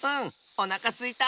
おなかすいた。